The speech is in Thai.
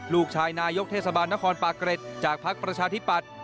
ลูกชายนายศเทศบาลนครปากรตจากพักประชาธิปัตธ์